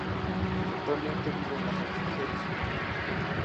Actualmente vive en el oeste de Massachusetts.